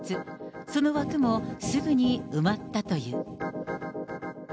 その枠もすぐに埋まったという。